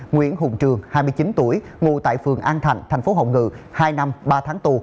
nguyễn hùng trường hai mươi chín tuổi ngồi tại phường an thành tp hồng ngự hai năm ba tháng tù